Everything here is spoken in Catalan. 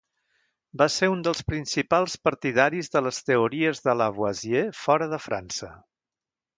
Va ser un dels primers partidaris de les teories de Lavoisier fora de França.